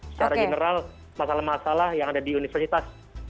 secara general masalah masalah yang ada di universitas